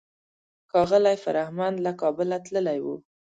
ښاغلی فرهمند له کابله تللی و.